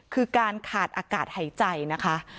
คือการขาดอากาศหายใจนะคะ